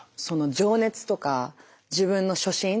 その情熱とか自分の初心。